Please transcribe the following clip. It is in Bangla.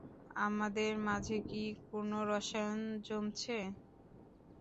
আমাদের মাঝে কী কোন রসায়ন জমছে?